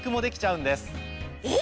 えっ？